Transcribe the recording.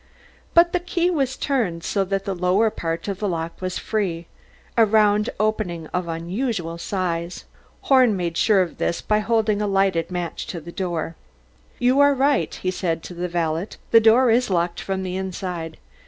But the key was turned so that the lower part of the lock was free, a round opening of unusual size. Horn made sure of this by holding a lighted match to the door. "You are right," he said to the valet, "the door is locked from the inside.